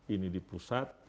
ini di pusat